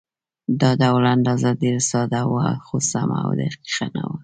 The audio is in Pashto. دا ډول اندازه ډېره ساده وه، خو سمه او دقیقه نه وه.